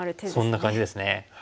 そんな感じですね。